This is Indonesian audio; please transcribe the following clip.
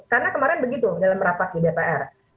karena kemarin begitu dalam rapat di dpr